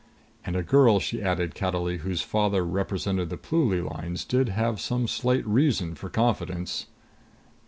And a girl, she added cattily, whose father represented the Pluly Lines did have some slight reason for confidence....